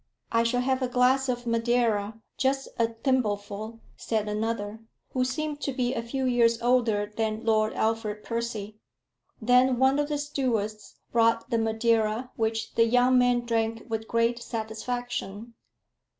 "I shall have a glass of madeira just a thimbleful," said another, who seemed to be a few years older than Lord Alfred Percy. Then one of the stewards brought the madeira, which the young man drank with great satisfaction.